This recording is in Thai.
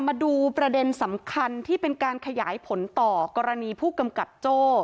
มาดูประเด็นสำคัญที่เป็นการขยายผลต่อกรณีผู้กำกับโจ้